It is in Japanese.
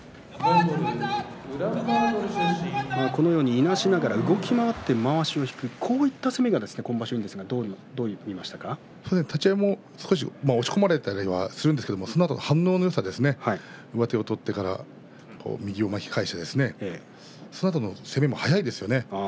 いなしながら動き回ってまわしを引く、こういった攻めが今場所いいんですが立ち合い押し込まれたりするんですけれどそのあとの反応のよさですね上手を取ってから右を巻き返してそのあとの攻めも速いですね。